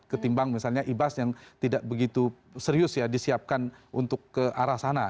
ketimbang misalnya ibas yang tidak begitu serius ya disiapkan untuk ke arah sana